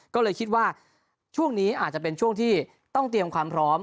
ก็เลยคิดว่าช่วงนี้อาจจะเป็นช่วงที่ต้องเตรียมความพร้อม